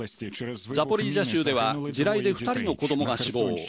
ザポリージャ州では地雷で２人の子どもが死亡。